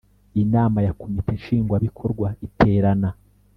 Inama ya Komite Nshingwabikorwa iterana